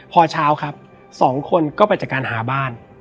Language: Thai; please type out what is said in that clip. พอเช้าครับสองคนก็ไปจัดการหาบ้าน